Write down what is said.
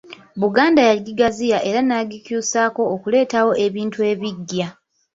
Buganda yagigaziya era n'agikyusaako okuleetawo ebintu ebiggya.